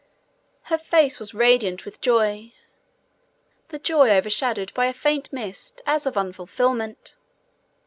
Her face was radiant with joy, the joy overshadowed by a faint mist as of unfulfilment.